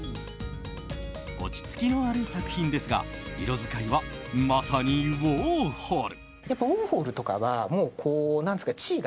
落ち着きのある作品ですが色使いはまさにウォーホル。